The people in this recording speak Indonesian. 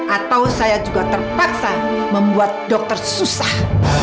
atau saya juga terpaksa membuat dokter susah